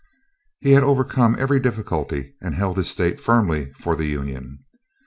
He had overcome every difficulty, and held his state firmly for the Union.